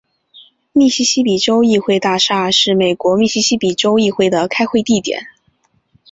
密西西比州议会大厦是美国密西西比州议会的开会地点。